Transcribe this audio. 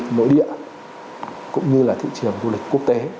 thị trường du lịch nội địa cũng như là thị trường du lịch quốc tế